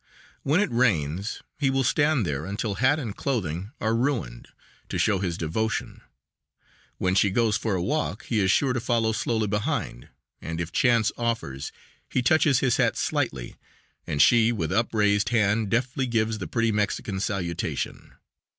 When it rains he will stand there until hat and clothing are ruined, to show his devotion. When she goes for a walk he is sure to follow slowly behind, and if chance offers he touches his hat slightly, and she with upraised hand deftly gives the pretty Mexican salutation.